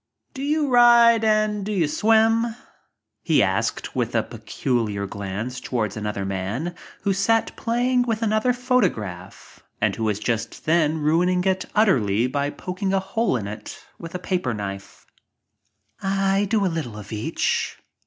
"Do you ride and do you swim," he asked a peculiar glance towards another man that sat playing with another photograph and who was just then ruining it utterly by poking a hole in it with a paper knife. "I do a little of each."